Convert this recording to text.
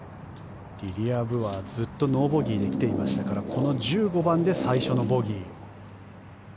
リリア・ブは、ずっとノーボギーで来ていましたからこの１５番で最初のボギー。